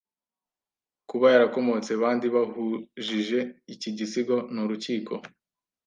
kuba yarakomotse bandi bahujije iki gisigo nurukiko